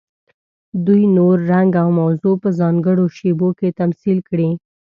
دوی نور، رنګ او موضوع په ځانګړو شیبو کې تمثیل کړي.